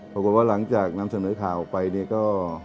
รู้สึกว่าหลังจากน้ำเสนอข่าวไปเนี่ยก็